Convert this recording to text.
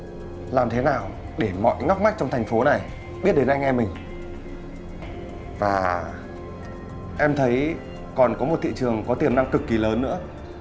chúng tôi làm thế nào để mọi ngóc ngách trong thành phố này biết đến anh em mình và em thấy còn có một thị trường có tiềm năng cực kỳ lớn nữa